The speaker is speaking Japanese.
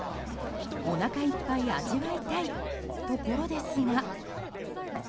おなかいっぱい味わいたいところですが。